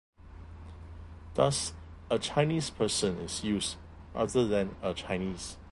Thus, "a Chinese person" is used rather than "a Chinese".